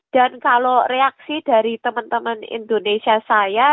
dan kalau reaksi dari teman teman indonesia saya